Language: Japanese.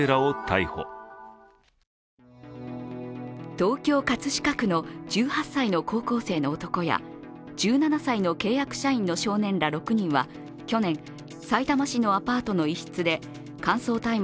東京・葛飾区の１８歳の高校生の男や１７歳の契約社員の少年ら６人は去年、さいたま市のアパートの一室で乾燥大麻